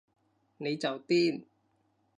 你就癲